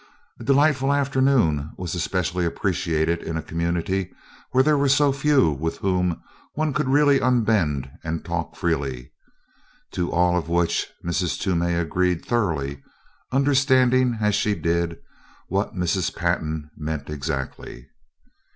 A delightful afternoon was especially appreciated in a community where there were so few with whom one could really unbend and talk freely to all of which Mrs. Toomey agreed thoroughly, understanding, as she did, what Mrs. Pantin meant exactly.